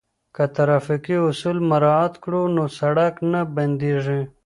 که ترافیکي اصول مراعات کړو نو سړک نه بندیږي.